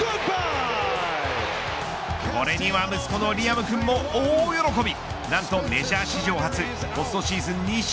これには息子のリアムくんも大喜び。